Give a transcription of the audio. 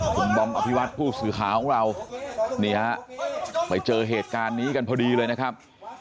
คุณบอมอภิวัตผู้สื่อข่าวของเรานี่ฮะไปเจอเหตุการณ์นี้กันพอดีเลยนะครับ